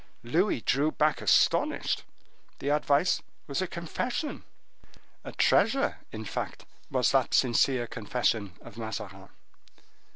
Louis drew back astonished. The advice was a confession—a treasure, in fact, was that sincere confession of Mazarin.